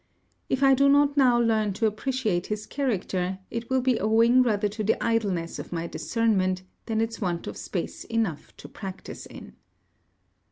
If I do not now learn to appreciate his character, it will be owing rather to the idleness of my discernment than its want of space enough to practice in.